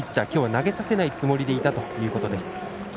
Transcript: きょうは投げさせないつもりでいたということです。